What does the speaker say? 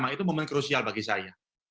itu momen krusial bagi saya